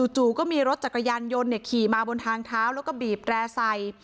จู่ก็มีรถจักรยานยนต์ขี่มาบนทางเท้าแล้วก็บีบแร่ใส่